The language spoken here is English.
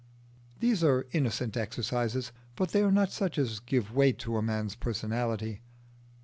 These are innocent exercises, but they are not such as give weight to a man's personality.